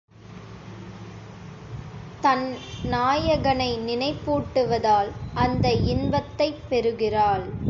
தன் நாயகனை நினைப்பூட்டுவதால் அந்த இன்பத்தைப் பெறுகிறாள்.